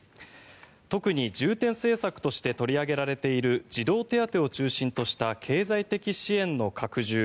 特に重点政策として取り上げられている児童手当を中心とした経済的支援の拡充